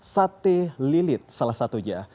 sate lilit salah satunya